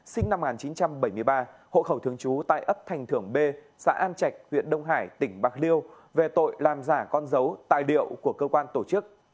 sinh năm một nghìn chín trăm bảy mươi ba hộ khẩu thường trú tại ấp thành thưởng b xã an trạch huyện đông hải tỉnh bạc liêu về tội làm giả con dấu tài liệu của cơ quan tổ chức